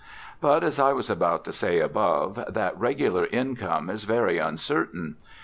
But (as I was about to say above) that regular income is very uncertain.